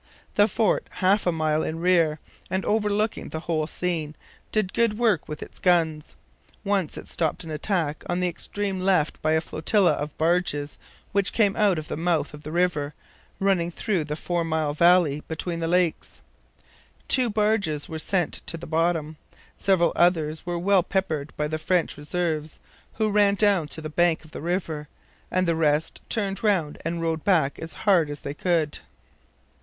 The fort, half a mile in rear and overlooking the whole scene, did good work with its guns. Once it stopped an attack on the extreme left by a flotilla of barges which came out of the mouth of the river running through the four mile valley between the lakes. Two barges were sent to the bottom. Several others were well peppered by the French reserves, who ran down to the bank of the river; and the rest turned round and rowed back as hard as they could.